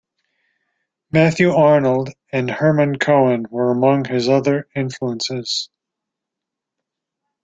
Matthew Arnold and Hermann Cohen were among his other influences.